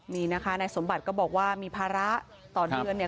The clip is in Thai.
นี่นะคะนายสมบัติก็บอกว่ามีภาระต่อเดือนเนี่ย